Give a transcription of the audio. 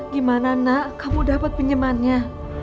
gimana nak kamu dapat pinjamannya